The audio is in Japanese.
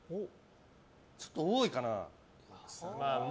ちょっと多いかな。